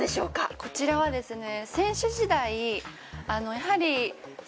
こちらはですねえ！？